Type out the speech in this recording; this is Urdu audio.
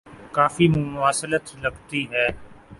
کافی مماثلت لگتی ہے۔